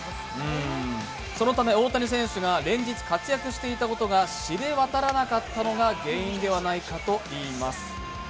そのため大谷選手が連日活躍していたことが知れ渡らなかったことが原因ではないかといいます。